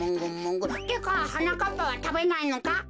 ってかはなかっぱはたべないのか？